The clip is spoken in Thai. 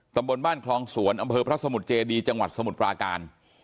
ตำบลบ้านคลองสวนอำเภอพระสมุทรเจดีจังหวัดสมุทรปราการ